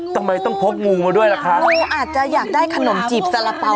ทำไมต้องพกงูมาด้วยล่ะคะอ่าอาจจะอยากได้ขนมจีบสารเปล่าเพิ่มก็ได้คะ